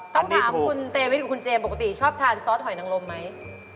ต้องถามคุณเตไปดูคุณเจมสปกติชอบทานซอสหอยนังลมไหม